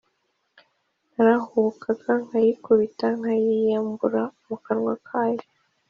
narahubukaga nkayikubita nkayiyambura mu kanwa kayo